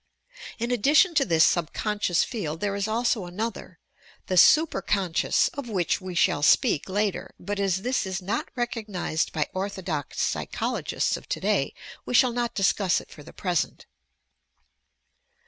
DREAMS 133 In addition to this subconscious field there is also an other: The Super Conscious o£ which we shall apeak later; but as this is not recognized by "orthodox" psychologists of today, we shall not discuss it for the present.